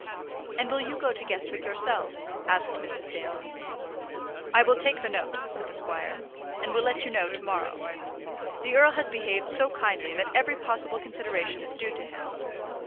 "And will you go to Guestwick yourself?" asked Mrs. Dale. "I will take the note," said the squire, "and will let you know to morrow. The earl has behaved so kindly that every possible consideration is due to him.